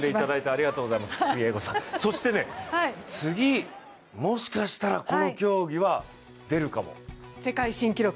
そして次、もしかしたらこの競技は出るかも。